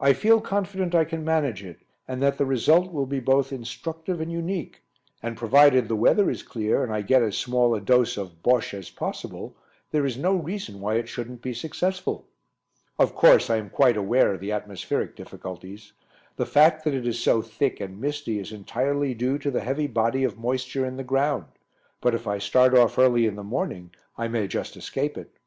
"I feel confident I can manage it, and that the result will be both instructive and unique, and provided the weather is clear and I get as small a dose of 'Bosche' as possible, there is no reason why it shouldn't be successful." "Of course, I am quite aware of the atmospheric difficulties. The fact that it is so thick and misty is entirely due to the heavy body of moisture in the ground but if I start off early in the morning I may just escape it."